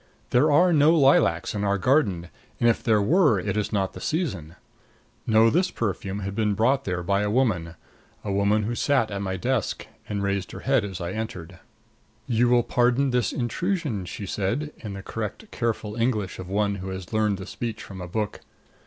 There are no lilacs in our garden, and if there were it is not the season. No, this perfume had been brought there by a woman a woman who sat at my desk and raised her head as I entered. "You will pardon this intrusion," she said in the correct careful English of one who has learned the speech from a book.